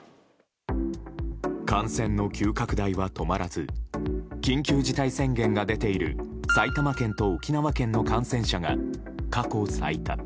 感染の急拡大は止まらず緊急事態宣言が出ている埼玉県と沖縄県の感染者が過去最多。